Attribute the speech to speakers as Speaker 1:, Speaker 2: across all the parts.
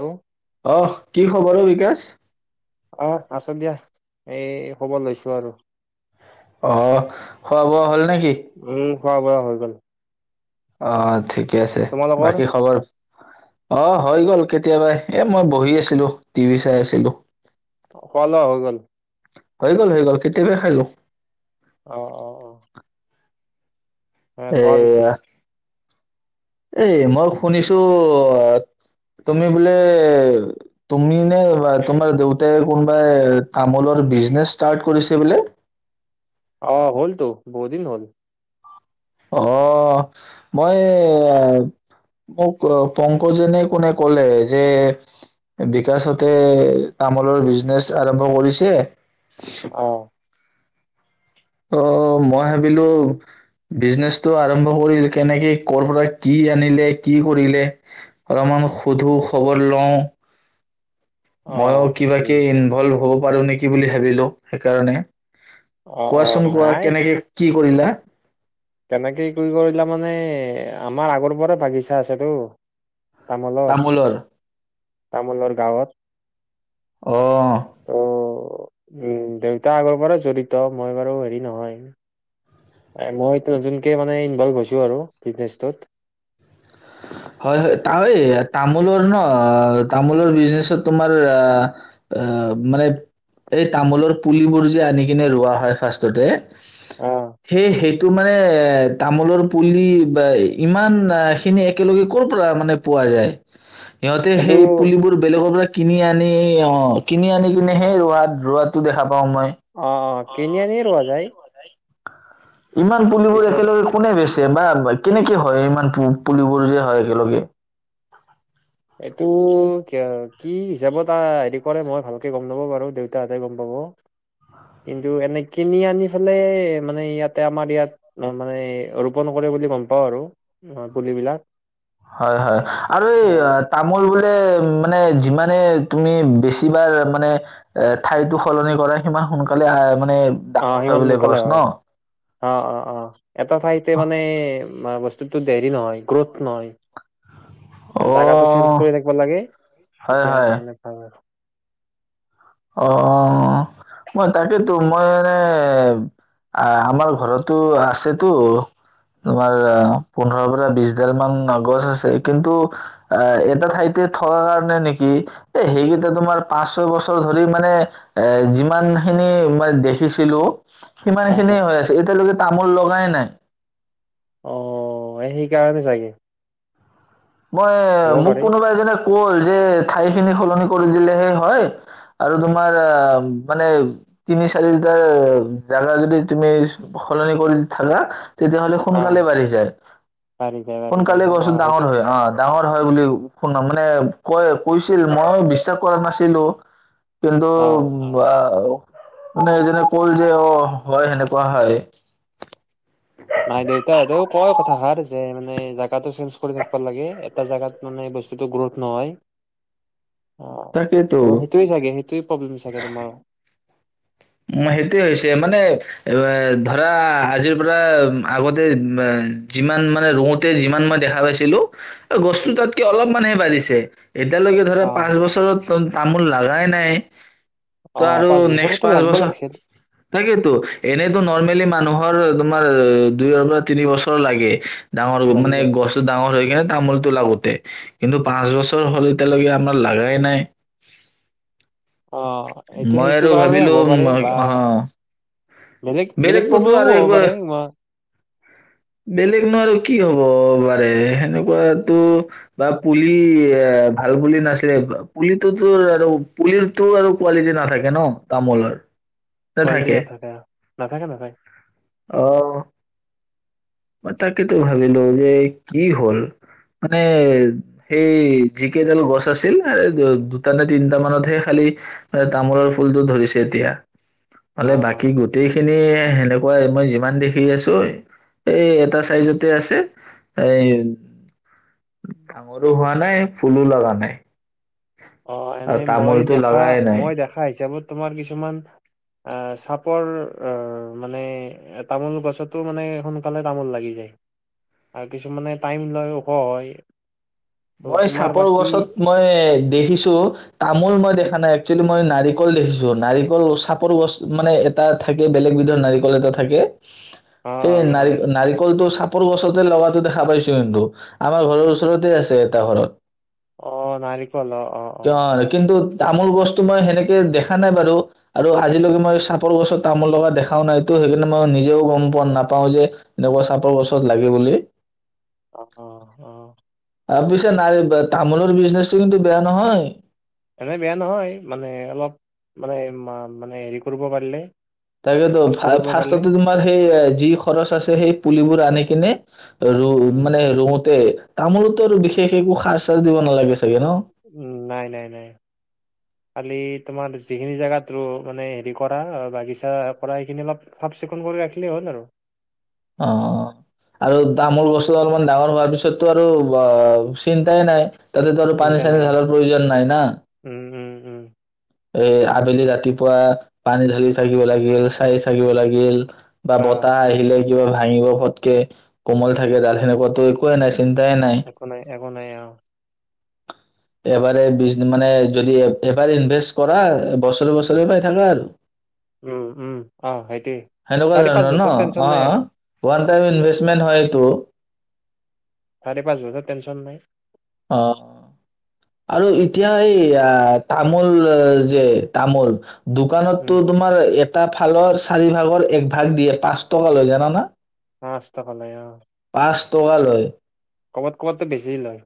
Speaker 1: Hello
Speaker 2: আহ কি খবৰো বিকাশ
Speaker 1: আহ আছ দিয়া এই খবৰ লৈছো আৰু
Speaker 2: অ খোৱা বোৱা হ'ল নে
Speaker 1: উম খোৱা বোৱা হৈ গ'ল
Speaker 2: অ ঠিক ঠিকে আছে
Speaker 1: তোমালোকৰ
Speaker 2: বাকী খবৰ অ হৈ গ'ল কেতিয়াবা এ মই বহি আছিলো টিভি চাই আছিলো
Speaker 1: খোৱা লোৱা হৈ গ'ল
Speaker 2: হৈ গল হৈ গল কেতিয়াবা খাইলো
Speaker 1: অ অ অ হ কৰা পিছে
Speaker 2: এ মই শুনিছো তুমি বোলে তুমি নে বা তোমাৰ দেউতাই কোনোবাই তামোলৰ বিজনেচ ষ্টাৰ্ট কৰিছে বোলে
Speaker 1: অ হ'ল তো বহু দিন হ'ল
Speaker 2: আহ মই মোক পংকজেনে কোনে কলে যে বিকাশতে তামোলৰ বিজনেচ আৰম্ভ কৰিছে
Speaker 1: অ
Speaker 2: অ মই ভাবিলো বিজনেচটো আৰম্ভ কৰিল কেনেকে কৰ পৰা কি আনিলে কি কৰিলে অলপমান সোধো খবৰ লওঁ
Speaker 1: অ
Speaker 2: মইও
Speaker 1: উম
Speaker 2: কিবাকে ইনভলভ হওঁক পাৰো নেকি বুলি ভাবিলো সেইকাৰণে
Speaker 1: অ অ
Speaker 2: কোৱাচোন কোৱা
Speaker 1: নাই
Speaker 2: কেনেকে কি কৰিলে
Speaker 1: তেনেকে কি কৰিলা মানে, আমাৰ আগৰ পৰা বাগিছা আছেতো।
Speaker 2: তামোলৰ।
Speaker 1: তামোলৰ গাঁৱত।
Speaker 2: অঁহ।
Speaker 1: অঁ উম দেউতা আগৰ পৰা জড়িত। মই বাৰু হেৰি নহয়। হয়, মই তজুনকে মানে ইনভল্ভ হৈছোঁ আৰু বিজনেছটোত।
Speaker 2: হয় হয়। তা এই তাম- মোলৰ ন, আ তামোলৰ বিজনেচত তোমাৰ, আ আ মানে এই তামোলৰ পুলিবোৰ যে আনি কিনে ৰোৱা হয় ফাৰ্ষ্টতে-
Speaker 1: অ
Speaker 2: সেই, সৈ- টো মানে, তামোলৰ পুলি বা ই ইমান আ- খিনি একেলগে কৰ পৰা মানে পোৱা যায়? সিহঁতে
Speaker 1: এইটো
Speaker 2: সেই পুলিবোৰ বেলেগৰ পৰা কিনি আনি আ- কিনি আনি কিনে সেই ৰোৱাত, ৰোৱাতো দেখা- পাওঁ মই
Speaker 1: অঁহ, কিনি আনিয়ে ৰোৱা যায়।
Speaker 2: ইমান পুলিবোৰ
Speaker 1: পিছত
Speaker 2: একেলগে কোনে বেচে? বা- কেনেকে হয় ইমান পু পুলিবোৰযে হয় একেলগে?
Speaker 1: এইটো কিয় কি হিচাপত আ হেৰি কৰে মই ভালকে গম নাপাওঁ বাৰু, দেউতাহঁতে গম পাব। কিন্তু এনে কিনি আনি পালেই, মানে ইয়াতে আমাৰ ইয়াত মানে ৰোপণ কৰে বুলি গম পাওঁ আৰু, ম পুলিবিলাক।
Speaker 2: হয় হয়, আৰু এই অ- তামোল বোলে মানে জিম- মানে তুমি বেছি- কিবাৰ মানে এ ঠাইতো সলনি কৰে সিমান সোনকালে হয়- মানে
Speaker 1: অঁ
Speaker 2: ডাঙৰ
Speaker 1: সিমান
Speaker 2: বোলে
Speaker 1: সকালে
Speaker 2: গছ
Speaker 1: হয়।
Speaker 2: ন
Speaker 1: অ অ অ, এটা ঠাইতে মানে মা বচ- স্তুটো দেৰি নহয়, গ্ৰোথ নহয়।
Speaker 2: অ
Speaker 1: অঁ জাগাতটো চেঞ্জ কৰি থাকিব লাগে।
Speaker 2: হয়
Speaker 1: তেতিয়া
Speaker 2: হয়
Speaker 1: মানে ভাল হ‌য়।
Speaker 2: অহ, মই তাকেতো মই আ আমাৰ ঘৰতো আছেতো, তোমাৰ পোন্ধৰৰ পৰা বিশডালমান অ গছ আছে। কিন্তু আ এটা ঠাইতে থোৱা কাৰণে নেকি। এই সেইকেটা তোমাৰ পাঁচ-ছয় বছ- ছৰ ধৰি মানে এ যিমান খিনি মা দেখিছিলোঁ- সিমান
Speaker 1: অ
Speaker 2: খিনিয়ে হৈ আছে। এতিয়ালৈকে তামোল লগাই নাই।
Speaker 1: অহ, সেইকাৰণে চাগে।
Speaker 2: মই,
Speaker 1: হ'ব
Speaker 2: মোক
Speaker 1: পাৰে
Speaker 2: কোনোবা এজনে- মোৰ যে, ঠাইখিনি সলনি কৰি দিলেহে হয়। আৰু তোমাৰ আ মানে তিনি চাৰিটা জাগা যদি তুমি চ সলনি কৰি থাকা- তেতিয়াহলে
Speaker 1: অ
Speaker 2: সোনকালে বাঢ়ি যায়।
Speaker 1: পাৰি যায় পাৰি যায়
Speaker 2: সোনকালে
Speaker 1: অ
Speaker 2: গছটো
Speaker 1: সেইটো
Speaker 2: ডাঙৰ- অঁ ডাঙৰ হয় বুলি শুনা, মানে কয় কৈছিল, মই বিশ্বাস কৰা নাছিলোঁ। কিন্ত
Speaker 1: অ
Speaker 2: ম বা- মানে, যেনে কৰিলেও হয়, সেনেকুৱা হয়।
Speaker 1: নাই দেউতাই আৰু কয় কথাষাৰ যে এ' জাগাটো চেঞ্চ কৰি থাকিব লাগে। এটা জাগাত বস্তুটো গ্ৰোথ নহয়। অ'
Speaker 2: তাকেইতো
Speaker 1: সেইটোৱে চাগে, সেইটো প্ৰব্লেম চাগে তোমাৰ।
Speaker 2: ও! সেইটোয়ে হৈছে মানে, এ' ধৰা আজিৰ পৰা আগতে যিমান মানে ৰওঁতে যিমান মই দেখা পাইছিলো গছটো তাতকে অলপমানানহে বাঢ়িছে এতিয়ালৈকে ধৰা,
Speaker 1: অ
Speaker 2: পাঁচ বছৰত তামোল লাগাই নাই। ত আৰু
Speaker 1: অ'পাঁচ
Speaker 2: নেক্সট
Speaker 1: বছৰত
Speaker 2: পাঁচ বছৰ তাকেইতো, এনেইতো নৰমেলী মানুহৰ তোমাৰ, দুইৰ পৰা তিনি বছৰ লাগে। ডাঙৰ
Speaker 1: লাগি
Speaker 2: মানে,
Speaker 1: যায়
Speaker 2: গছতটো ডাঙৰ হৈ কিনে তামোলতটো লাগো কিন্তু, পাঁচ বছৰ হ'ল, এতিয়ালৈকে আমাৰ লগাই নাই।
Speaker 1: অ' এইটো
Speaker 2: মই
Speaker 1: সেইটো
Speaker 2: আৰু
Speaker 1: কাৰণে
Speaker 2: ভাবিলো
Speaker 1: হ'ব পাৰে বা বেলেগ বেলেগ
Speaker 2: বেলেগটো ত'
Speaker 1: প্ৰব্লেমো
Speaker 2: আৰু
Speaker 1: হ'ব
Speaker 2: একো,
Speaker 1: পাৰে মই
Speaker 2: বেলেগ নো আৰু কি হ'ব। সেনেকোৱাতো বা পুলি ভাল বুলি নাছিলে, পুলিটোতো আৰু পুলিতো আৰু কোৱালিটি নাথাকে ন তামোলৰ। নে
Speaker 1: কোৱালিটি
Speaker 2: থাকে
Speaker 1: নাথাকে, নাথাকে-নাথাকে।
Speaker 2: আহ মই তাকেতো ভাবিলো যে, কি হ'ল মানে, সেই, যিকেইডাল গছ আছিল দুটা নে তিনটা মানতহে খালি তামোলৰ ফুলটো ধৰিছে এতিয়া।
Speaker 1: অ
Speaker 2: মানে, বাকী গোটেই খিনি সেনেক মই, মই যিমান দেখি আছো এই এটা চাইজতে আছে। এই, উম, ডাঙৰো হোৱা নাই, ফুলো লগা নাই।
Speaker 1: অ'
Speaker 2: আৰু
Speaker 1: এনেই মই
Speaker 2: তামোলটো
Speaker 1: দেখা,
Speaker 2: লগাই নাই
Speaker 1: মই দেখা হিচাপত তোমাৰ কিছুমান, চাপৰ মানে, তামোল গছতো মানে সোনকালে তামোল লাগি যায় আৰু কিছুমানে টাইম লয় ওখ হয়। ত
Speaker 2: মই
Speaker 1: তোমাৰ বা
Speaker 2: চাপৰ
Speaker 1: কি
Speaker 2: গছত মই দেখিছোঁ। তামোল মই দেখা নাই। একচুৱেলি মই নাৰিকল দেখিছো, নাৰিকল চাপৰ গছ মানে, ‌ এটা থাকে, বেলেগ বিধৰ নাৰিকল এটা থাকে।
Speaker 1: অ
Speaker 2: সেই
Speaker 1: অ
Speaker 2: নাৰিক, নাৰিকলটো চা সৰু গছতে লগাটো দেখা পাইছো কিন্তু, আমাৰ ঘৰৰ ওচৰতে আছে। উদাহৰণঃ
Speaker 1: অ' নাৰিকলৰ অ' অ'!
Speaker 2: কিন্তু তামোল গছটো মই সেনেকে, দেখা নাই বাৰু, আৰু আজিলৈকে মই চাপৰ গছত তামোল লগা দেখাও নাইতো, সেইকাৰণে, মই নিজেও গম পোৱা নাপাও যে, এনেকুৱা চাপৰ গছত লাগে বুলি।
Speaker 1: অ অ
Speaker 2: আৰু পিছে, ন' তামোলৰ বিজনেচটো কিন্তু, বেয়া নহয়।
Speaker 1: এনে বেয়া নহয়। মানে, অলপ মানে মানে হেৰি কৰিব পাৰিলে।
Speaker 2: তাকেতো,
Speaker 1: কষ্ট কৰিব পাৰিলে
Speaker 2: ফাৰ্ষ্টতে তোমাৰ সেই যি খৰচ আছে, সেই পুলিবোৰ আনি কিনে ৰ'
Speaker 1: উম
Speaker 2: মানে ৰওঁতে! তামোলতো আৰু বিশেষ একো সাৰ চাৰ দিব নালাগে চাগে ন'?
Speaker 1: উম, নাই নাই নাই খালি তোমাৰ যিখিনি জোগাত ৰ মানে হেৰি কৰা বাগিচা কৰা সেইখিনি অলপ চাফ চিকুণ কৰি ৰাখিলেই হ'ল আৰু
Speaker 2: অ আৰু তামোল বস্তু অলমান ডাঙৰ হোৱাৰ পিছতটো আৰু চিন্তাই নাই তাতেতো আৰু পানী
Speaker 1: চিন্তা নাই
Speaker 2: চানি
Speaker 1: আৰু
Speaker 2: ধালাৰ প্ৰয়োজন নাই না
Speaker 1: উম উম উম
Speaker 2: এ আবেলি ৰাতিপুৱা পানী ঢালি থাকিব লাগিল চাই থাকিব লাগিল বা
Speaker 1: অ
Speaker 2: বতাহ আহিলে কিবা ভাঙিব ফটকে কোমল থাকে তাত সেনেকুৱাতো একোৱে নাই চিন্তাই নাই
Speaker 1: [unintelligible]
Speaker 2: এবাৰে বিছ মানে যদি এবাৰ ইনভেষ্ট কৰা বছৰে বছৰে পাই থাকা আৰু
Speaker 1: উম উম অ সেইটোৱে
Speaker 2: সেনেকুৱা
Speaker 1: চাৰি
Speaker 2: ধৰৰ
Speaker 1: পাঁচ
Speaker 2: ন,
Speaker 1: বছৰ টেনচন নাই আৰু
Speaker 2: অ ওৱান টা ইনভেষ্টমেণ্ট হয়টো
Speaker 1: চাৰি পাঁচ বছৰ টেনছন নাই
Speaker 2: অ আৰু এতিয়া এই আহ তামোল যে তামোল
Speaker 1: উম,
Speaker 2: দোকানততো তোমাৰ এটা ফালৰ চাৰি ভাগৰ এক ভাগ দিয়ে পাঁচ টকা লয় জানানা
Speaker 1: পাঁচ টকা লয় অ
Speaker 2: পাঁচ টকা লয় [unintelligible]
Speaker 1: ক'বাত ক'বাততো বেছি লয়।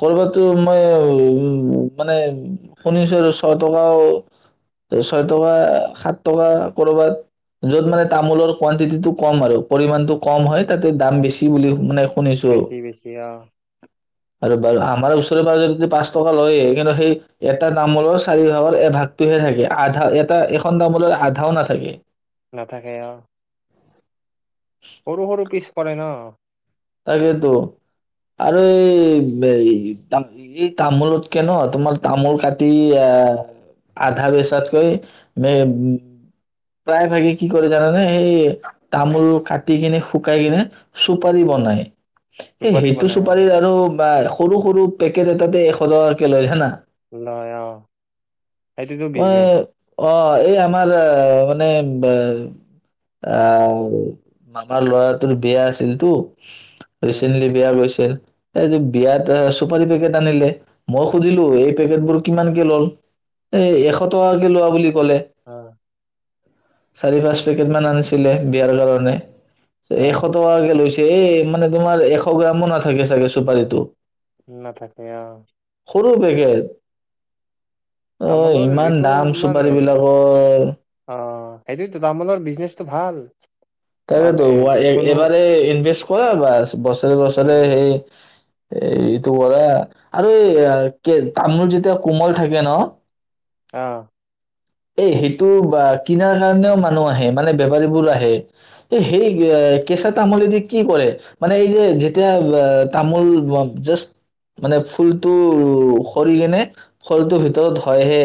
Speaker 2: কৰবাতো মই উ মানে শুনিছো আৰু ছয় টকাও ছয় টকা সাত টকা কৰবাত য'ত মানে তামোলৰ কোৱাণ্টিটিটো কম আৰু পৰিমাণটো কম হয় তাতে দাম বেছি বুলি মানে শুনিছো
Speaker 1: বেছি বেছি অ
Speaker 2: আৰু আমাৰ ওচৰে পাজৰে পাঁচ টকা লয়ে সেই কাৰনে সেই এটা তামোলৰ চাৰি ভাগৰ এ ভাগটোহে থাকে আধা এটা এখন তামোলৰ আধাও নাথাকে
Speaker 1: নাথাকে অ সৰু সৰু পিছ কৰে ন
Speaker 2: তাকেতো, আৰু এই এই তামোলতকে ন তোমাৰ তামোল কাটি আহ আধা বেচাতকৈ উম প্ৰায় ভাগে কি কৰি জানেনে সেই তামোল কাটি কিনে শুকাই কিনে চুপাৰি বনাই- [unintelligible] সেই
Speaker 1: বেপাৰী
Speaker 2: সেইটো
Speaker 1: বনাই অ,
Speaker 2: চুপাৰী আৰু বা সৰু সৰু পেকেট এটাতে এশ টকাকে লয় জানা
Speaker 1: লয় অ সেইটোতো
Speaker 2: মই
Speaker 1: বিজনেচ
Speaker 2: অ এই আমাৰ মানে বে আহ মামাৰ লৰাটোৰ বিয়া আছিলতো
Speaker 1: উম,
Speaker 2: ৰিচেণ্টলি বিয়া গৈছিল এই যে বিয়াত চুপাৰী পেকেট আনিলে মই সুধিলো এই পেকেটবোৰ কিমানকে লল এ এশ টকাকে লোৱা বুলি কলে
Speaker 1: অ,
Speaker 2: চাৰি পাঁচ পেকেটমান আনিছিলে বিয়াৰ কাৰণে
Speaker 1: অ,
Speaker 2: এশ টকাকে লৈছ এ, মানে তোমাৰ এশ গ্ৰামো নাথাকে চাগে চুপাৰীটো
Speaker 1: নাথাকে অহ।
Speaker 2: সৰু পেকেট অ',
Speaker 1: তামোলৰ
Speaker 2: ইমান
Speaker 1: হেৰিটো
Speaker 2: দাম
Speaker 1: তোমাৰ
Speaker 2: চুপাৰী বিলাকৰ
Speaker 1: এইটোৱেতো, তামোলৰ বিজনেচটো ভাল। মানে
Speaker 2: তাকেতো
Speaker 1: এ
Speaker 2: ৱা
Speaker 1: যিকোনো
Speaker 2: এ-এবাৰে ইনভেষ্ট কৰা বাচ, বছৰে বছৰে
Speaker 1: উম,
Speaker 2: এই এইটো কৰা, আৰু এই কে তামোল যেতিয়া কোমল থাকে ন
Speaker 1: আহ
Speaker 2: এ সেইটো বা কিনাৰ কাৰণেও মানুহ আহে। মানে বেপাৰীবোৰ আহে, এই সেই কেঁচা তামোলেদি কি কৰে, মানে এই যে, যেতিয়া তামোল জাষ্ট মানে ফুলটো সৰি কিনে ফলটোৰ ভিতৰত হয়হে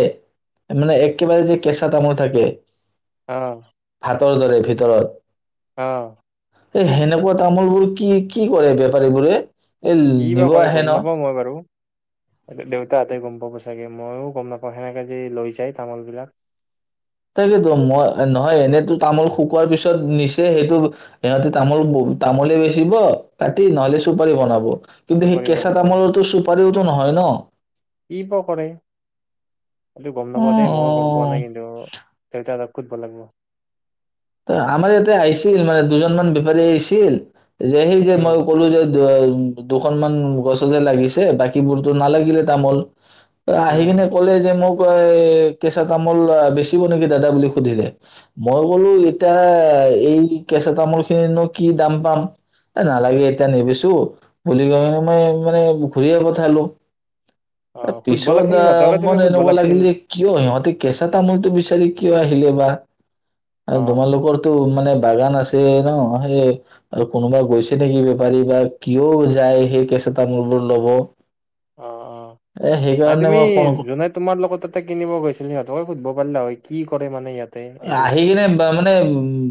Speaker 2: মানে এক একেবাৰে যে, কেঁচা তামোল থাকে।
Speaker 1: অ'।
Speaker 2: তৰ দৰে ভিতৰত
Speaker 1: অহ
Speaker 2: এই সেনেকুৱা তামোলবোৰ কি কি কৰে বেপাৰীবোৰে? এই
Speaker 1: কিবা
Speaker 2: নিব
Speaker 1: কৰে,
Speaker 2: আহে
Speaker 1: গম
Speaker 2: ন
Speaker 1: নাপাওঁ, মই বাৰু দেউতা হাতে গম পাব চাগে, ময়ো গম নাপাওঁ সেনেকা যে, লৈ যাই তামোল বিলাক
Speaker 2: তাকেতো মই, নহয় এনেতো তামোল শুকোৱাৰ পিছত নিচে সেইটো সিহঁতে তামোল, তামোলে বেচিব কাটি নহ'লে, চুপাৰী বনাব। কিন্তু সেই
Speaker 1: বেপাৰী
Speaker 2: কেঁচা
Speaker 1: বনাব।
Speaker 2: তামোলটো চুপাৰিও টো নহয় ন?
Speaker 1: কি প কৰে এইটো গম নাপাওঁ দেই,
Speaker 2: অ
Speaker 1: মইয়ো গম পোৱা নাই কিন্তু দেউতাৰহত সুধব লাগিব
Speaker 2: ত আমাৰ ইয়াতে আহিছিল, মানে দুজনমান বেপাৰী আহিছিল যে, সেই যে, মই
Speaker 1: উম
Speaker 2: ক'লো যে [unintelligible] দুখনমান গছতহে লাগিছে, বাকীবোৰতো নালাগিলে তামোল আহি কিনে
Speaker 1: উম
Speaker 2: ক'লে যে, মোক ৱ এ কেঁচা তামোল বেচিব নেকি দাদা বুলি সুধিলে। মই ক'লো এতিয়া এই কেঁচা তামোলখিনি নো কি দাম পাম, এ নালাগে এতিয়া নেবেছো বুলি কৈ কিনি মই-মানে ঘূৰিয়ে পঠালো।
Speaker 1: অ
Speaker 2: ত
Speaker 1: সুধব
Speaker 2: পিছত
Speaker 1: লাগছিল
Speaker 2: আহ,
Speaker 1: সিহঁতকে তুমি
Speaker 2: মন
Speaker 1: সুধব
Speaker 2: এনেকুৱা
Speaker 1: লাগছিল
Speaker 2: লাগিল যে, কিয় সিহঁতে কেঁচা তামোলটো বিচাৰি কি কিয় আহিলে বা।
Speaker 1: অ
Speaker 2: তোমালোকৰতো মানে বাগান আছে ন? সেই আৰু কোনোবা গৈছে নেকি বেপাৰী বা কিয় যায়, সেই কেঁচা তামোলবোৰ ল'ব
Speaker 1: অ', অ',
Speaker 2: এ
Speaker 1: নাই
Speaker 2: সেইকাৰণে
Speaker 1: তুমি
Speaker 2: মই ফোন
Speaker 1: যোনে তোমাৰ লগত তাতে কিনিব গৈছিল, সিহঁতকে সুধিব পাৰিলা হয়। কি কৰে মানে ইয়াত
Speaker 2: আহি কিনে বা মানে, উম,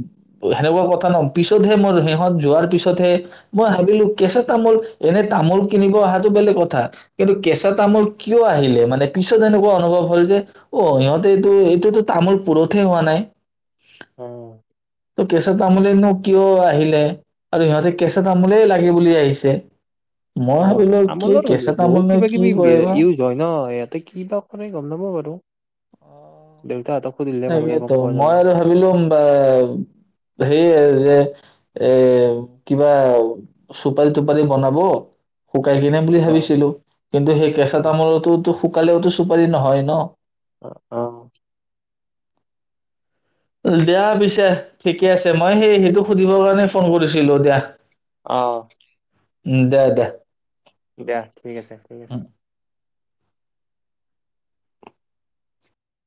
Speaker 2: সেনেকুৱা কথা পিছতহে মোৰ সিহঁত যোৱাৰ পিছতহে মই ভাবিলো, কেঁচা তামোল, এনে তামোল কিনিব অহাটো বেলেগ কথা, কিন্তু কেঁচা তামোল কিয় আহিলে মানে পিছত এনেকুৱা অনুভৱ হ'ল যে, অ', সিহঁতে এইটো এইটোতো তামোল পুৰ ঠে হোৱা নাই
Speaker 1: অ
Speaker 2: ত কেঁচা তামোলেনো কিয় আহিলে? আৰু সিহঁতে কেঁচা তামোলে লাগে বুলি আহিছে। মই
Speaker 1: অ',
Speaker 2: ভাবিলো কি
Speaker 1: তামোলৰ
Speaker 2: কেঁচা
Speaker 1: বহুত
Speaker 2: তামোলনো
Speaker 1: কিবা
Speaker 2: কি
Speaker 1: কিবি
Speaker 2: কৰে বা
Speaker 1: ইউজ হয় ন ইয়াত। কি বা কৰে গম নাপাওঁ বাৰু।
Speaker 2: অ,
Speaker 1: দেউতা অতক।
Speaker 2: তাকেতো। মই আৰু ভাবিলোম বা হেৰে এ কিবা চুপাৰি-টুপাৰি বনাব? শুকাই কিনে বুলি
Speaker 1: অ
Speaker 2: ভাবিছিলো। কিন্তু সেই কেঁচা
Speaker 1: অ
Speaker 2: তামোলতটোতো শুকালেওতো চুপাৰি নহয় ন?
Speaker 1: অ' অ'।
Speaker 2: দ্যা পিছে ঠিকে আছে মই সেই সেইটো সুধিবৰ কাৰণে ফোন কৰিছিলো দ্যাঃ।
Speaker 1: অ'।
Speaker 2: উম দে দে।
Speaker 1: দিয়া ঠিক আছে ঠিক আছে।